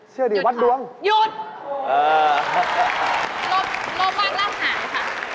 เชื่อดิวัดดวงยุนหยุด